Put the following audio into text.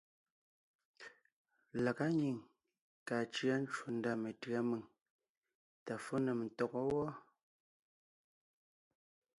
Lagá nyìŋ kàa cʉa ncwò ndá metʉ̌a mèŋ tà fó nèm ntɔgɔ́ wɔ́.